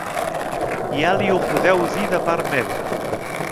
Ja li ho podeu dir de part meva.